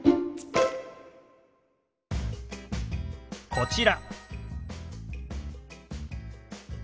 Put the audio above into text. こちら。